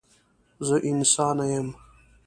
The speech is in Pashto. زه انسانه یم.